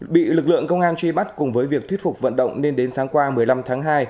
bị lực lượng công an truy bắt cùng với việc thuyết phục vận động nên đến sáng qua một mươi năm tháng hai